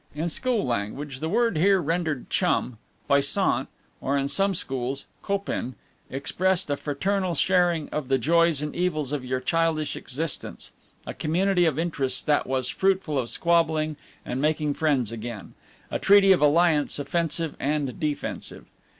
In school language, the word here rendered chum faisant, or in some schools, copin expressed a fraternal sharing of the joys and evils of your childish existence, a community of interests that was fruitful of squabbling and making friends again, a treaty of alliance offensive and defensive.